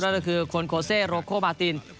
นั่นก็คือคนโคเซโรโคมาติน